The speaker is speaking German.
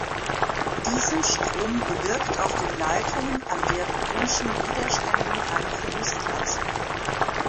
Diesen Strom bewirkt auf den Leitungen an deren ohmschen Widerständen eine Verlustleistung.